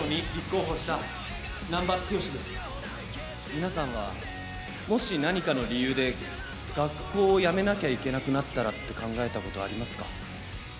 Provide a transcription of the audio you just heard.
皆さんはもし何かの理由で学校を辞めなきゃいけなくなったらって考えたことありますか？